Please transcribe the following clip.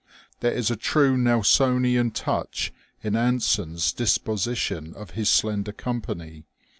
There is a true Nelsonian touch in Anson's disposition of his slender company.